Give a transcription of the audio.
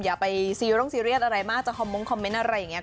อย่าไปซีโรงซีเรียสอะไรมากจะคอมมงคอมเมนต์อะไรอย่างนี้